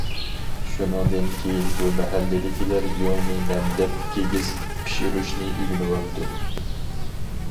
شۇنىڭدىن كېيىن بۇ مەھەللىدىكىلەر يۇڭنى نەمدەپ كىگىز پىشۇرۇشنى ئۆگىنىۋاپتۇ.